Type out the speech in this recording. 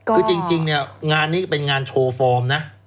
คือจริงงานนี้เป็นงานโชว์ฟอร์มนะ